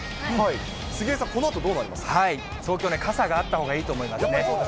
杉江さん、このあと、どうな東京ね、傘があったほうがいいと思いますね。